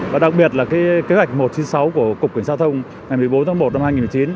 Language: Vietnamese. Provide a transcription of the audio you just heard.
và đặc biệt là kế hoạch một trăm chín mươi sáu của cục quyển giao thông ngày một mươi bốn tháng một năm hai nghìn một mươi chín